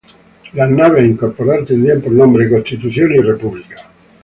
Las naves a incorporar tendrían por nombre "Constitución" y "República".